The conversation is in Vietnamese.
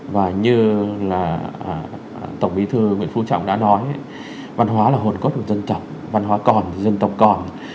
và như là tổng bí thư nguyễn phú trọng đã nói văn hóa là hồn cốt của dân tộc văn hóa còn dân tộc còn